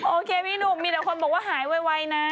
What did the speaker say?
โอเคพี่หนุ่มมีแต่คนบอกว่าหายไวนะ